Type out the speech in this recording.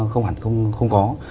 không hẳn không có